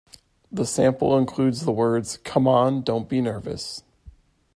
The sample includes the words ... c'mon, don't be nervous!